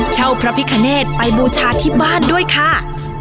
พระพิคเนตไปบูชาที่บ้านด้วยค่ะ